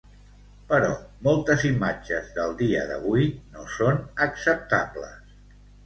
Però moltes imatges del dia d’avui no són acceptables.